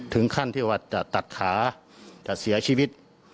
ถึงขั้นที่ว่าจะตัดขาจะเสียชีวิต